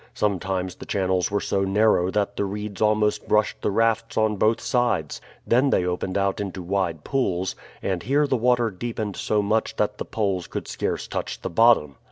Sometimes the channels were so narrow that the reeds almost brushed the rafts on both sides; then they opened out into wide pools, and here the water deepened so much that the poles could scarce touch the bottom.